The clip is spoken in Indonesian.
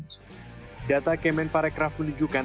data kementerian pariwisata dan ekonomi kreatif menunjukkan